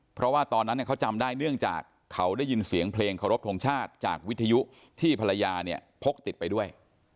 เพราะว่าตอนนั้นเขาจำได้เนื่องจากเขาได้ยินเสียงเพลงเคารพทงชาติจากวิทยุที่ภรรยาเนี่ยพกติดไปด้วย